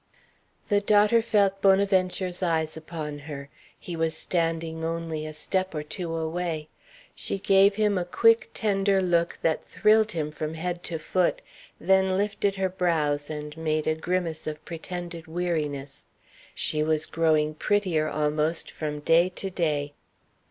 The daughter felt Bonaventure's eyes upon her. He was standing only a step or two away. She gave him a quick, tender look that thrilled him from head to foot, then lifted her brows and made a grimace of pretended weariness. She was growing prettier almost from day to day.